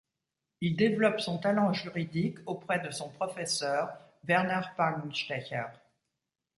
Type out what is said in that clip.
Il développe son talent juridique auprès de son professeur, Werner Pagenstecher.